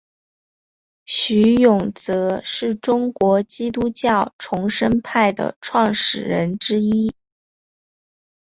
徐永泽是中国基督教重生派的创始人之一。